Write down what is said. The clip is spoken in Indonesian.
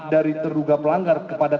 dari terduga pelanggar kepada